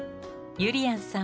ゆりやんさん！